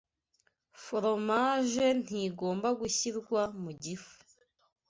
Foromaje ntigomba gushyirwa mu gifu.